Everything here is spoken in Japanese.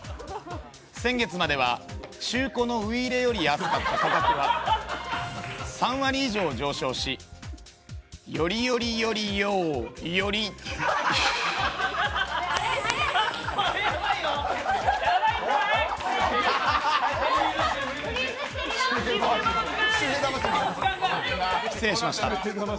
先月までは中古のウイイレより安かった価格は３割以上、上昇し、よりよりよりよより失礼しました。